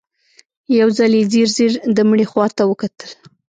يو ځل يې ځير ځير د مړي خواته وکتل.